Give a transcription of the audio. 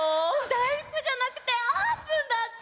だいふくじゃなくてあーぷんだった！